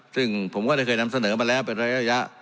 ซึ่งผมก็ได้เคยนำเสนอมาแล้วเป็นระยะ